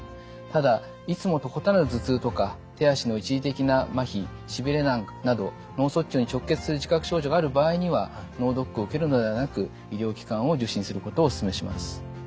ただいつもと異なる頭痛とか手足の一時的なまひしびれなど脳卒中に直結する自覚症状がある場合には脳ドックを受けるのではなく医療機関を受診することをおすすめします。